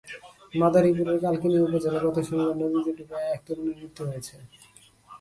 মাদারীপুরের কালকিনি উপজেলায় গত শনিবার নদীতে ডুবে এক তরুণের মৃত্যু হয়েছে।